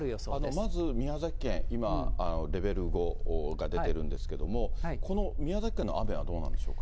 まず宮崎県、今、レベル５が出てるんですけども、この宮崎県の雨はどうなんでしょうか。